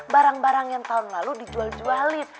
barang barang yang tahun lalu dijual jualin